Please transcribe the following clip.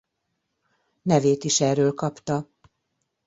Nevét is erről kapta.